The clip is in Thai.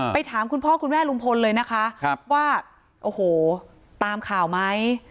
ถามคุณพ่อคุณแม่ลุงพลเลยนะคะว่าโอ้โหตามข่าวไหม